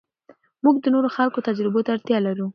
موږ د نورو خلکو تجربو ته اړتیا لرو.